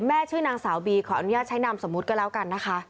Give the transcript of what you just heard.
ชื่อนางสาวบีขออนุญาตใช้นามสมมุติก็แล้วกันนะคะ